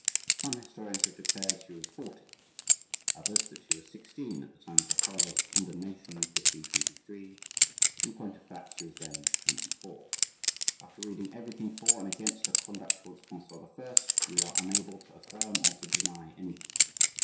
Some historians have declared she was forty, others that she was sixteen at the time of her father's condemnation in 1523; in point of fact she was then twenty four. After reading everything for and against her conduct towards Francois I. we are unable to affirm or to deny anything.